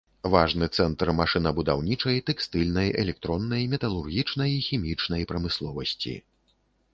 Важны цэнтр машынабудаўнічай, тэкстыльнай, электроннай, металургічнай і хімічнай прамысловасці.